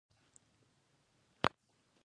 له اوږدو حقوقي فیصلو وروسته اصلاحات رامنځته کېږي.